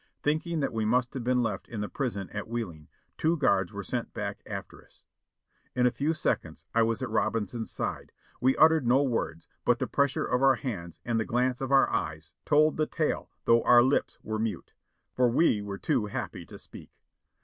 Thinking that Ave must have been left in the prison at Wheeling, two guards were sent back after us. In a few seconds I was at Robinson's side ; we uttered no words, but the pressure of our hands and the glance of our eyes told the tale though our lips were mute, for we were too happy to speak.